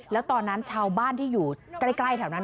แล้วตอนนั้นชาวบ้านที่อยู่ใกล้แถวนั้น